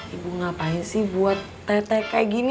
ibu ngapain sih buat teh teh kayak gini